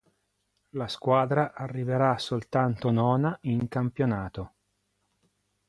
La squadra arriverà soltanto nona in campionato.